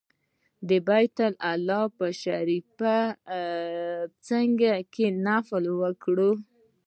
د بیت الله شریف په څنګ کې نفل وکړ.